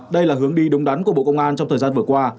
đây là hướng đi đúng đắn của bộ công an trong thời gian vừa qua